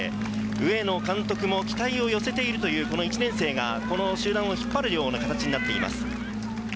上野監督も期待を寄せているというこの１年生が、この集団を引っ張るような形になっています。